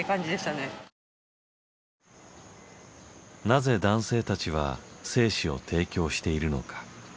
なぜ男性たちは精子を提供しているのか。